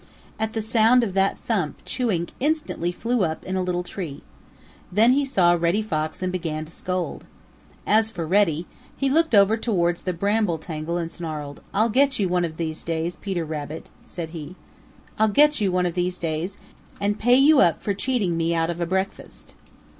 At the sound of that thump Chewink instantly flew up in a little tree. Then he saw Reddy Fox and began to scold. As for Reddy, he looked over towards the bramble tangle and snarled. "I'll get you one of these days, Peter Rabbit," said he. "I'll get you one of these days and pay you up for cheating me out of a breakfast."